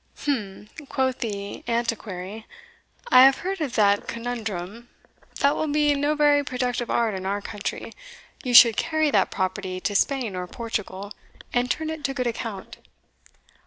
"Umph!" quoth the Antiquary, "I have heard of that conundrum. That will be no very productive art in our country; you should carry that property to Spain or Portugal, and turn it to good account."